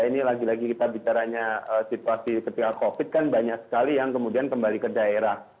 ini lagi lagi kita bicaranya situasi ketika covid kan banyak sekali yang kemudian kembali ke daerah